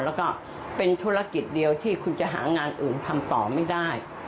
แล้วก็เป็นธุรกิจเดียวที่คุณจะหางานอื่นทำต่อไม่ได้